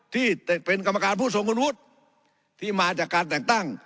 ที่เป็นกรรมการผู้ทรงคุณวุฒิที่มาจากการแต่งตั้ง